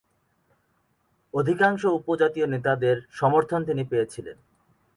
অধিকাংশ উপজাতীয় নেতাদের সমর্থন তিনি পেয়েছিলেন।